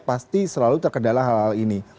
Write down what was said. pasti selalu terkendala hal hal ini